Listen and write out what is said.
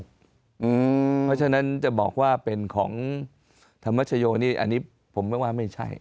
เพราะฉะนั้นจะบอกว่าเป็นของธรรมชโยนี่อันนี้ผมไม่ว่าไม่ใช่